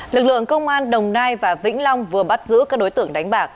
lực lượng công an đồng nai và vĩnh long vừa bắt giữ các đối tượng đánh bạc